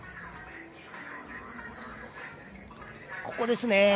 ここですね。